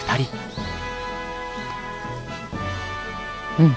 うん！